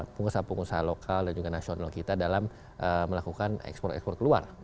pengusaha pengusaha lokal dan juga nasional kita dalam melakukan ekspor ekspor keluar